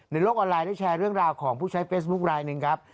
โลกออนไลน์ได้แชร์เรื่องราวของผู้ใช้เฟซบุ๊คลายหนึ่งครับ